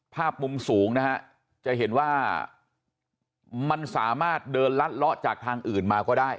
ภาพมุมสูงนะฮะจะเห็นว่ามันสามารถเดินลัดเลาะจากทางอื่นมาก็ได้